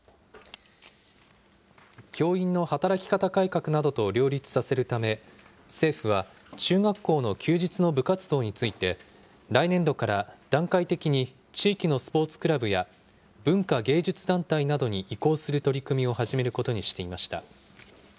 教員の働き方改革などと両立させるため、政府は、中学校の休日の部活動について、来年度から段階的に地域のスポーツクラブや文化、芸術団体などに移行する取り組みを始めることにしていました。